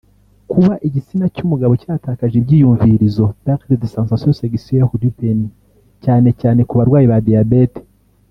Kuba igitsina cy’ umugabo cyatakaje ibyumvirizo (perte de sensation sexuelle du penis) cyane cyane ku barwayi ba diabete